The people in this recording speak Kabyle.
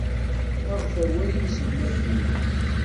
Aɣet awal i yiselmaden-nwen.